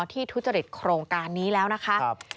ที่ทุจริตโครงการนี้แล้วนะครับ